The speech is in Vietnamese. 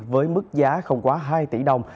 với mức giá không quá hai tỷ đồng